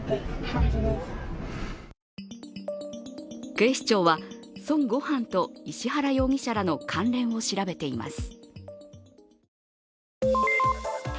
警視庁は、孫悟飯と石原容疑者らの関連を調べています。